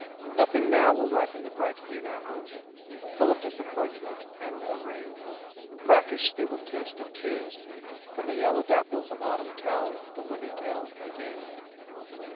Nothing now will ripen the bright green apples, Full of disappointment and of rain, Brackish they will taste, of tears, when the yellow dapples Of Autumn tell the withered tale again.